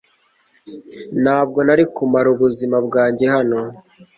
Ntabwo nari kumara ubuzima bwanjye hano .